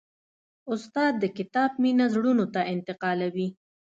استاد د کتاب مینه زړونو ته انتقالوي.